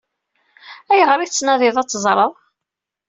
Ayɣer i tettnadiḍ ad teẓṛeḍ?